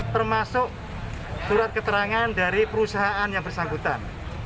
termasuk surat keterangan dari perusahaan yang bersangkutan